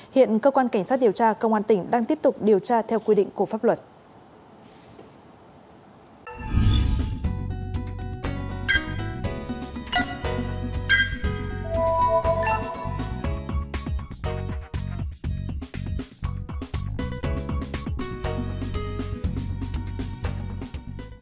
hiện cơ quan cảnh sát điều tra công an tỉnh đang tiếp tục điều tra theo quy định của pháp luật